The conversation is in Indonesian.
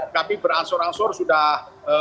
tapi berangsur angsur sudah